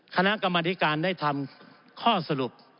คณะกรรมธิการได้ทำข้อสรุป